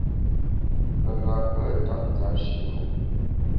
Ghəgha pə̂ tâʼ nzǎp shʉʼnə.